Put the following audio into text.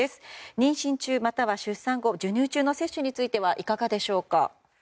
妊娠中、または出産後授乳中の接種についてはいかがでしょうか？